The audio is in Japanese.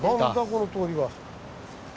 この通りは。